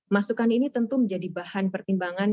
masukan ini tentu menjadi bahan pertimbangan